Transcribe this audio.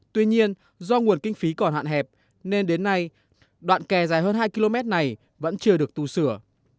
tuy nhiên do nguồn kinh phí còn hạn hẹp nên đến nay đoạn kè dài hơn hai km này vẫn chưa được tu sửa